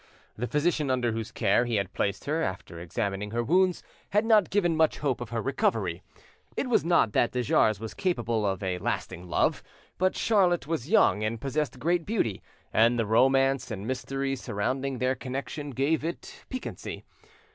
The physician under whose care he had placed her, after examining her wounds, had not given much hope of her recovery. It was not that de Jars was capable of a lasting love, but Charlotte was young and possessed great beauty, and the romance and mystery surrounding their connection gave it piquancy.